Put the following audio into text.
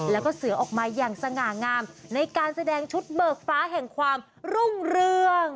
แล้วก็เสือออกมาอย่างสง่างามในการแสดงชุดเบิกฟ้าแห่งความรุ่งเรือง